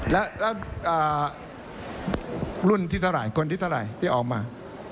แล้วรุ่นที่เท่าไหร่คนที่เท่าไหร่ที่ออกมา